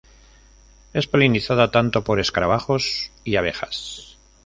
Es polinizada tanto por escarabajos y abejas.